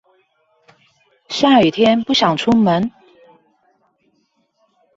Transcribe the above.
下雨天不想出門？